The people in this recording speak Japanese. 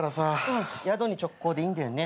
うん宿に直行でいいんだよね？